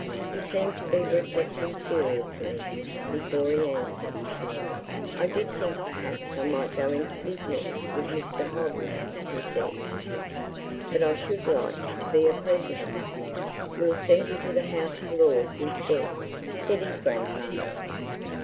He seemed to be reflecting seriously, before he answered. "I did think perhaps I might go into business with Mr. Hobbs," he said; "but I should LIKE to be a President." "We'll send you to the House of Lords instead," said his grandfather.